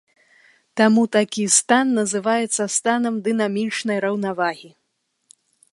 Таму такі стан называецца станам дынамічнай раўнавагі.